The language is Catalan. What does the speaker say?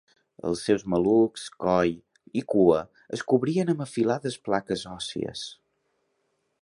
Els seus malucs, coll i cua es cobrien amb afilades plaques òssies.